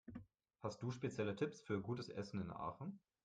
Hast du spezielle Tipps für gutes Essen in Aachen?